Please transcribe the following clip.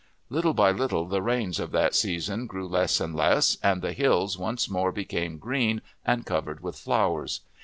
Little by little the rains of that season grew less and less, and the hills once more became green and covered with flowers.